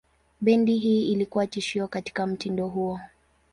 Bendi hii ilikuwa tishio katika mtindo huo.